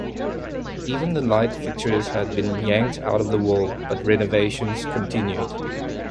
Even the light fixtures had been yanked out of the wall, but renovations continued.